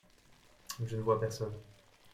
Je ne vois personne.